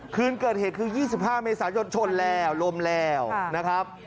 คืนเกิดเหตุคือ๒๕เมษายนชนแล้วล้มแล้วนะครับ